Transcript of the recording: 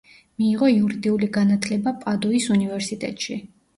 მიიღო იურიდიული განათლება პადუის უნივერსიტეტში.